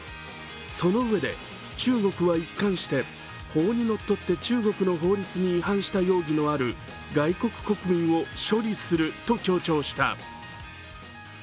そのうえで、中国は一貫して法に則って中国の法律に違反した容疑のある外国国民を処理すると強調した。